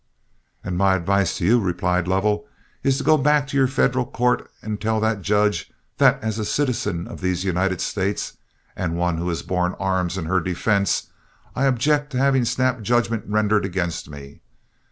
"And my advice to you," replied Lovell, "is to go back to your federal court and tell that judge that as a citizen of these United States, and one who has borne arms in her defense, I object to having snap judgment rendered against me.